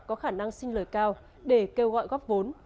có khả năng xin lời cao để kêu gọi góp vốn